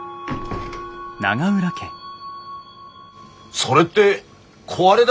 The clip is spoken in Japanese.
それって壊れだ